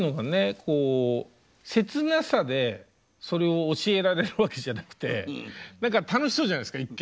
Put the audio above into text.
こう切なさでそれを教えられるわけじゃなくて何か楽しそうじゃないですか一見。